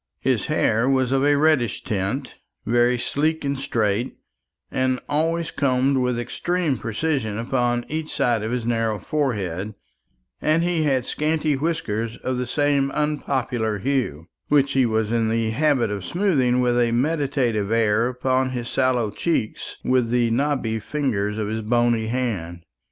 His hair was of a reddish tint, very sleek and straight, and always combed with extreme precision upon each side of his narrow forehead; and he had scanty whiskers of the same unpopular hue, which he was in the habit of smoothing with a meditative air upon his sallow cheeks with the knobby fingers of his bony hand.